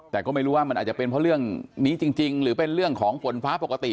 แต่ก็ไม่รู้ว่ามันอาจจะเป็นเพราะเรื่องนี้จริงหรือเป็นเรื่องของฝนฟ้าปกติ